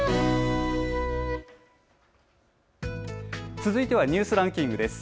続いてはニュースランキングです。